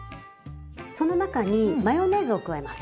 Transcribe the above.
その中にマヨネーズを加えます。